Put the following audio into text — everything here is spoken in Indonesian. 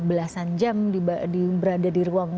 belasan jam berada di ruang